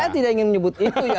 saya tidak ingin menyebut itu ya